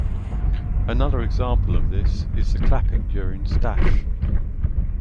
Another example of this is the clapping during Stash.